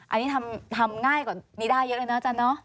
อันนี้ทำง่ายกว่านี้ได้เยอะเลยนะอาจารย์เนอะ